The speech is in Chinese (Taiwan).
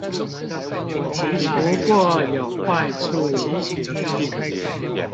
不過有壞處